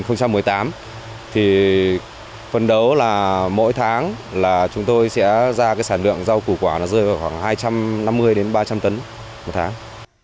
ngoài ra thì chúng tôi sẽ ra sản lượng rau củ quả rơi vào khoảng hai trăm năm mươi ba trăm linh tấn một tháng